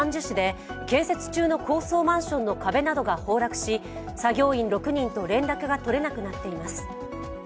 市で建設中の高層マンションの壁などが崩落し、作業員６人と連絡が取れなくなっています。